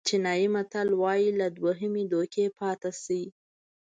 چینایي متل وایي له دوهمې دوکې پاتې شئ.